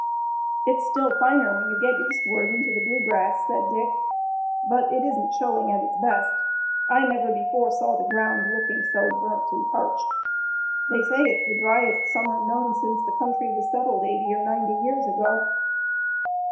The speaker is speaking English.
"It's still finer when you get eastward into the Bluegrass," said Dick, "but it isn't showing at its best. I never before saw the ground looking so burnt and parched. They say it's the dryest summer known since the country was settled eighty or ninety years ago."